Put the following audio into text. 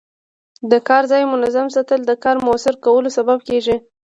د کار ځای منظم ساتل د کار موثره کولو سبب کېږي.